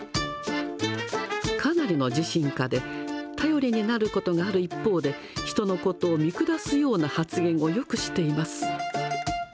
かなりの自信家で、頼りになることがある一方で、人のことを見下すような発言をよくしています。